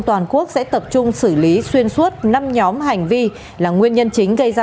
toàn quốc sẽ tập trung xử lý xuyên suốt năm nhóm hành vi là nguyên nhân chính gây ra